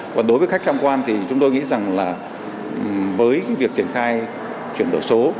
còn đối với khách tham quan thì chúng tôi nghĩ rằng là với việc triển khai chuyển đổi số